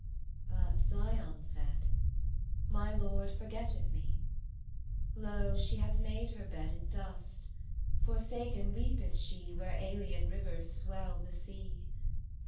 "But Zion said: My Lord forgetteth me. Lo, she hath made her bed In dust; forsaken weepeth she Where alien rivers swell the sea.